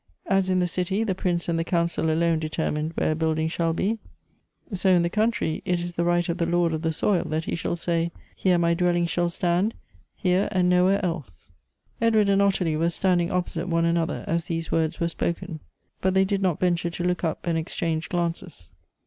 As in the city the prince and the council alone detennined where a building shall be, so in the country it is the right of the lord of the soil that he shall say, 'Here my dwelling shall stand; here, and nowhere else.'" Edward and Ottilie were standing opposite one anoth er, as these words were spoken ; but they did not venture to look up and exchange glances.